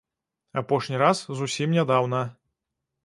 Апошні раз зусім нядаўна.